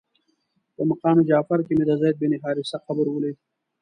په مقام جعفر کې مې د زید بن حارثه قبر ولید.